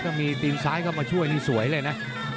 ถ้ามีตีนซ้ายเข้ามาช่วยนี่สวยเลยนะ